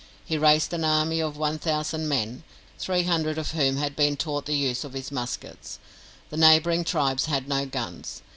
He raised an army of one thousand men, three hundred of whom had been taught the use of his muskets. The neighbouring tribes had no guns.